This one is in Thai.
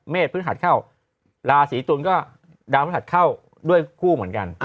พฤหัสเข้าราศีตุลก็ดาวพฤหัสเข้าด้วยคู่เหมือนกัน